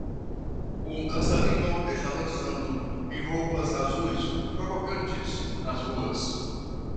Um dançarino está dançando em roupas azuis provocantes nas ruas